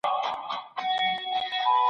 چېري د ګټو د ساتني دفترونه پرانیستل کیږي؟